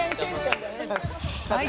はい。